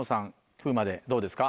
風磨でどうですか？